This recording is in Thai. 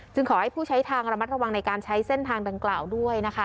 ขอให้ผู้ใช้ทางระมัดระวังในการใช้เส้นทางดังกล่าวด้วยนะคะ